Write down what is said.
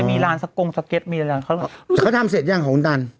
ไปมีร้านสะโกงสะเย็ดอะไรครับโหเขาจะเขาทำเสร็จยังของหุ้นตัวน